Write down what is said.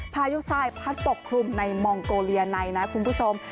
พายุไซพัดปกคลุมในมองตัวเรียนในนะคุณผู้ชม